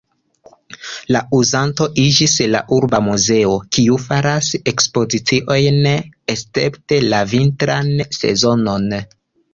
La uzanto iĝis la urba muzeo, kiu faras ekspoziciojn escepte la vintran sezonon.